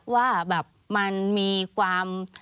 ว่าแบบมันมีความ